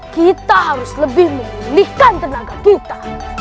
kita harus lebih memulihkan tenaga kita